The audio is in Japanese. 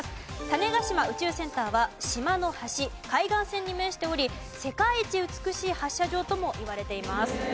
種子島宇宙センターは島の端海岸線に面しており世界一美しい発射場ともいわれています。